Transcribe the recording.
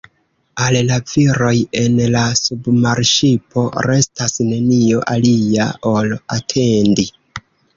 Al la viroj en la submarŝipo restas nenio alia ol atendi.